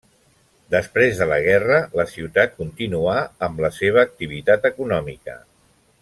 Després de la guerra, la ciutat continuà amb la seva activitat econòmica.